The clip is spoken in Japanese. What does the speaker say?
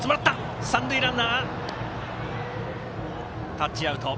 タッチアウト。